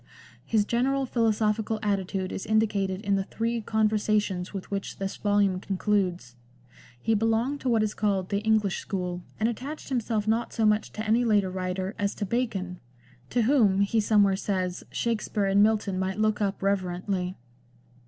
His general philosophical attitude is indi cated in the three Conversations with which this volume concludes. He belonged to what is called the English school, and attached himself not so much to any later writer as to Bacon, to whom, he somewhere says, Shakspere and Milton might look up reverently.